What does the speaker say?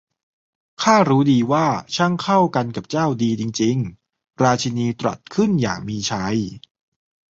'ข้ารู้ดีว่า ช่างเข้ากันกับเจ้าดีจริง ๆ ! ' ราชินีตรัสขึ้นอย่างมีชัย